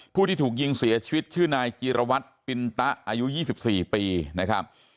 ผู้ที่ถูกยิงเสียชีวิตชื่อนายจีรวัตรปินตะอายุ๒๔ปีนะครับ